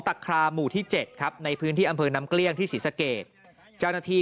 ตะคราหมู่ที่๗ครับในพื้นที่อำเภอน้ำเกลี้ยงที่ศรีสเกตเจ้าหน้าที่